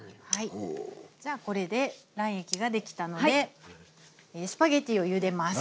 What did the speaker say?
じゃあこれで卵液ができたのでスパゲッティをゆでます。